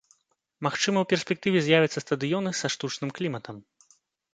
Магчыма, у перспектыве з'явяцца стадыёны са штучным кліматам.